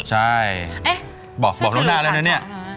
ใช่บอกตรงหน้าแล้วเนี่ย